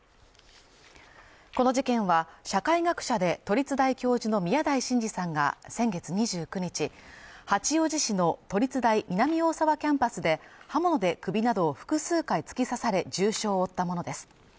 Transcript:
この事件は社会学者で都立大教授の宮台真司さんが先月２９日八王子市の都立大南大沢キャンパスで刃物で首などを複数回突き刺され重傷を負ったものです